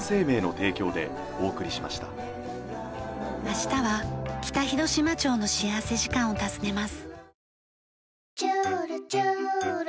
明日は北広島町の幸福時間を訪ねます。